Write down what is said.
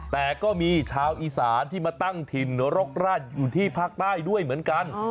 แต่ก็มีชาวอีสานที่มาตั้งถิ่นรกราดอยู่ที่ภาคใต้ด้วยเหมือนกัน